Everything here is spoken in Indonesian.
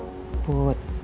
ibu bisa denger suara hati aku